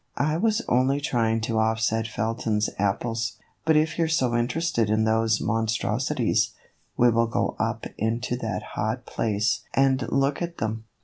I was only trying to offset Felton's apples. But if you're so interested in those monstrosities, we will go up into that hot place and look at them."